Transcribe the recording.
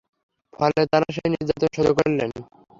ফলে তাঁরা সেই নির্যাতন সহ্য করলেন।